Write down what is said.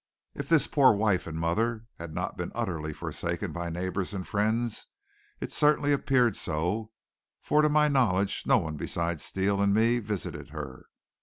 If this poor wife and mother had not been utterly forsaken by neighbors and friends it certainly appeared so, for to my knowledge no one besides Steele and me visited her.